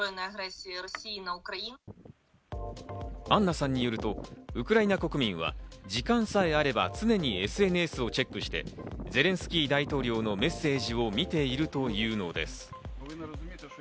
アンナさんによると、ウクライナ国民は時間さえあれば、常にＳＮＳをチェックしてゼレンスキー大統領のメッセージを見ているというのです。